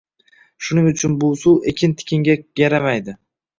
Shuning uchun bu suv ekin-tikinga yaramaydi